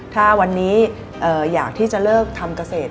ถ้าวันนี้อยากที่จะเลิกทำเกษตร